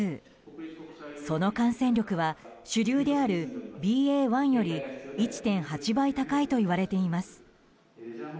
その感染力は主流であるＢＡ．１より１．８倍高いといわれています。